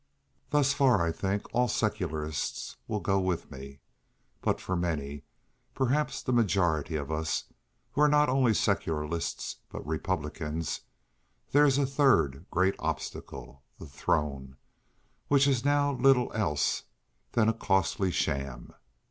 Thus far I think all Secularists will go with me. But for many, perhaps the majority of us, who are not only Secularists, but Republicans, there is a third great obstacle, the Throne, which is now little else than a costly sham.